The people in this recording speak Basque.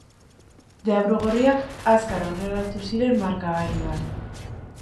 Deabru gorriak azkar aurreratu ziren markagailuan.